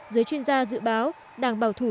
giới chuyên gia dự báo đảng bảo thủ